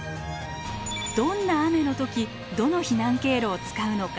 どんな雨のときどの避難経路を使うのか。